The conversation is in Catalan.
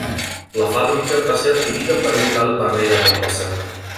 La fàbrica va ser adquirida per un tal Barrera de Vilassar.